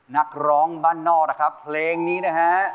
นักร้องบ้านนอกนะครับเพลงนี้นะฮะ